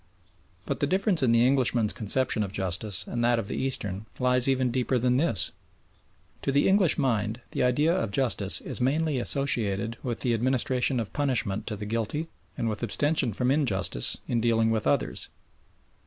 But the difference in the Englishman's conception of justice and that of the Eastern lies even deeper than this. To the English mind the idea of justice is mainly associated with the administration of punishment to the guilty and with abstention from injustice in dealing with others.